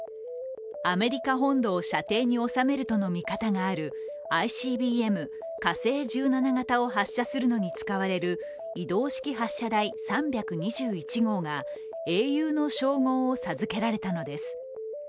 アメリカ本土を射程に収めるとの見方があるＩＣＢＭ・火星１７型を発射するのに使われる移動式発射台３２１号が英雄の称号を授けられたのです。